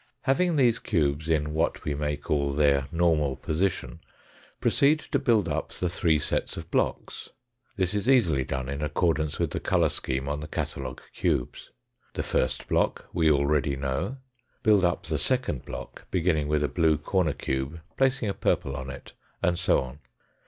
Having these cubes in what we may call their normal position, proceed to build up the three sets of blocks. This is easily done in accordance with the colour scheme on the catalogue cubes. The first block we already know. Build up the second block, beginning with a blue corner cube, placing a purple on it, and so on.